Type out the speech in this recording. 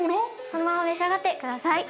そのまま召し上がって下さい。